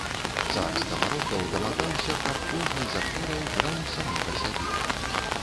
Цар скамарохаў дамагаўся, каб кожны з актораў граў самога сябе.